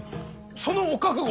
そのお覚悟